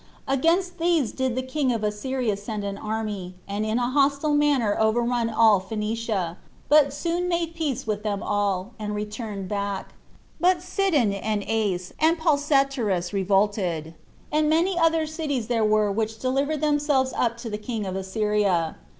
Against these did the king of Assyria send an army, and in a hostile manner overrun all Phoenicia, but soon made peace with them all, and returned back; but Sidon, and Ace, and Palsetyrus revolted; and many other cities there were which delivered themselves up to the king of Assyria.